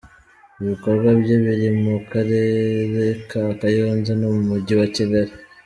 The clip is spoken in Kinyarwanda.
Ibikorwa bye biri mu Karere ka Kayonza no mu Mujyi wa Kigali.